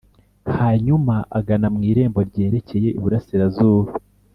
Hanyuma agana mu irembo ryerekeye iburasirazuba